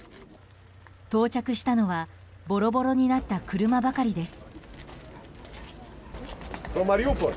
到着したのはボロボロになった車ばかりです。